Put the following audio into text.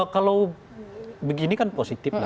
kalau begini kan positif